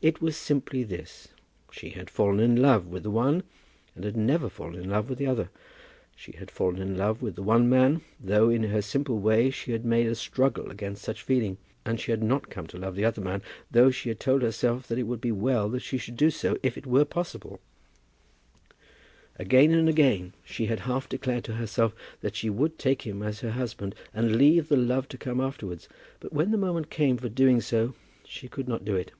It was simply this; she had fallen in love with the one, and had never fallen in love with the other! She had fallen in love with the one man, though in her simple way she had made a struggle against such feeling; and she had not come to love the other man, though she had told herself that it would be well that she should do so if it were possible. Again and again she had half declared to herself that she would take him as her husband and leave the love to come afterwards; but when the moment came for doing so, she could not do it.